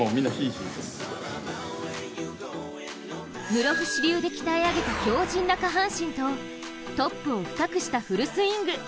室伏流で鍛え上げた強じんな下半身とトップを深くしたフルスイング。